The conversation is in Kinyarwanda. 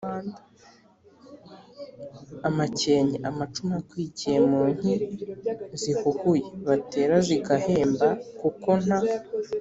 amakenke: amacumu akwikiye mu nti zihuhuye, batera zigahemba kuko nta